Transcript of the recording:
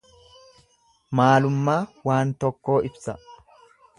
Maalummaa waan tokkoo ibsa.